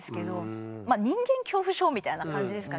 人間恐怖症みたいな感じですかね。